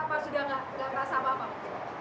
apa sudah nggak terasa apa apa bu